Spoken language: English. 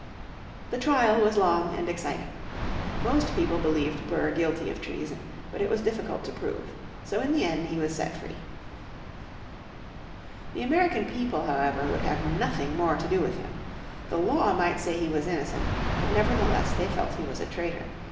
The trial was long and exciting. Most people believed Burr guilty of treason, but it was difficult to prove. So in the end he was set free. The American people, however, would have nothing more to do with him. The law might say he was innocent, but nevertheless they felt he was a traitor.